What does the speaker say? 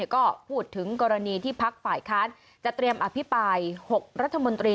ก็พูดถึงกรณีที่พักฝ่ายค้านจะเตรียมอภิปราย๖รัฐมนตรี